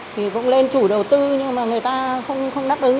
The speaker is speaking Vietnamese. thì cũng lên chủ đầu tư nhưng mà người ta không đáp ứng